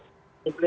di bps itu tidak